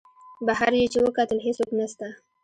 بهر یې چې وکتل هېڅوک نسته.